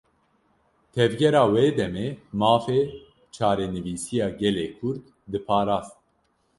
Tevgera wê demê, mafê çarenivîsiya gelê Kurd diparast